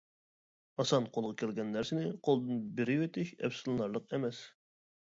ئاسان قولغا كەلگەن نەرسىنى قولدىن بېرىۋېتىش ئەپسۇسلىنارلىق ئەمەس.